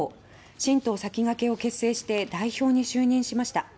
新党さきがけを結成して代表に就任しました。